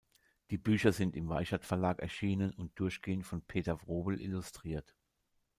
Die Bücher sind im Weichert-Verlag erschienen und durchgehend von Peter Wrobel illustriert.